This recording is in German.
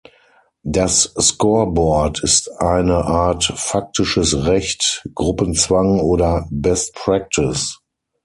Das Scoreboard ist eine Art faktisches Recht, Gruppenzwang oder Best Practice.